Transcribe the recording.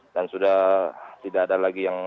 dan sudah tidak ada lagi yang